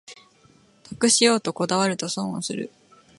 得しようとこだわると損する